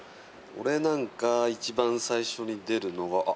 俺なんか一番最初に出るのは。